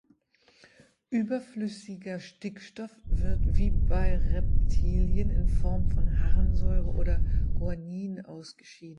Überflüssiger Stickstoff wird wie bei Reptilien in Form von Harnsäure oder Guanin ausgeschieden.